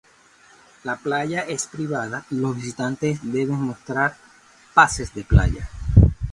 La playa es privada y los visitantes deben mostrar pases de playa.